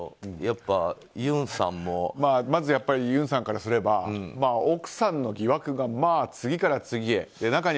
まずユンさんからすれば奥さんの疑惑が次から次へ。